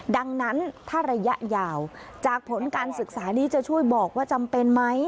ดังนั้นถ้าระยะยาวจากผลการศึกษานี้จะช่วยบอกว่าจำเป็นไหม